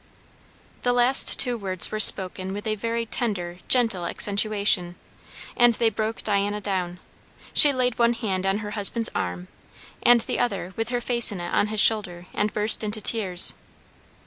The last two words were spoken with a very tender, gentle accentuation, and they broke Diana down. She laid one hand on her husband's arm, and the other, with her face in it, on his shoulder, and burst into tears.